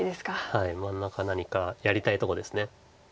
はい真ん中何かやりたいとこです。